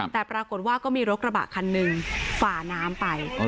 แต่ปรากฏว่าก็มีรถกระบะคันหนึ่งฝ่าน้ำไป